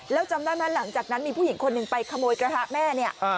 แล้วจำได้ไหมหลังจากนั้นมีผู้หญิงคนหนึ่งไปขโมยกระทะแม่เนี่ย